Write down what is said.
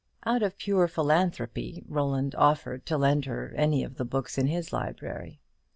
Out of pure philanthropy Roland offered to lend her any of the books in his library.